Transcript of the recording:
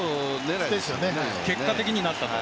結果的になったと。